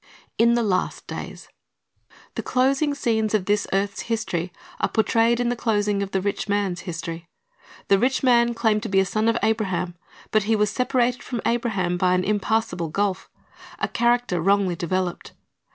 IN THE LAST DAYS The closing scenes of this earth's history are portrayed in the closing of the rich man's history. The rich man claimed to be a son of Abraham, but he was separated from Abraham by an impassable gulf, — a character wrongly developed.